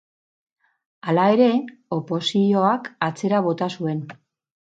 Hala ere, opozioak atzera bota zuen.